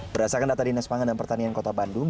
berdasarkan data dinas pangan dan pertanian kota bandung